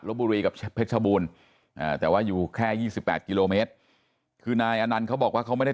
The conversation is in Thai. บุรีกับเพชรบูรณ์แต่ว่าอยู่แค่๒๘กิโลเมตรคือนายอนันต์เขาบอกว่าเขาไม่ได้